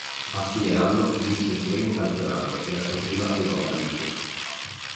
A fine anno vince il suo primo campionato e la sua prima Europa League.